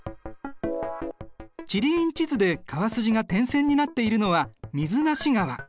地理院地図で川筋が点線になっているのは水無川。